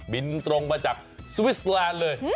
บินตรงมาจากสวิสแลนด์เลย